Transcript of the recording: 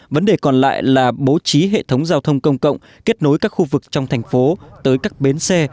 vấn đề còn lại là bố trí hệ thống giao thông công cộng kết nối các khu vực trong thành phố tới các bến xe